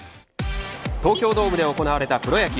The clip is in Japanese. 東京ドームで行われたプロ野球